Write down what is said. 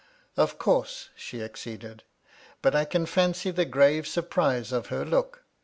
Of course she acceded ; but I can fancy the grave surprise of her look.